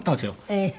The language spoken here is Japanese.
ええ。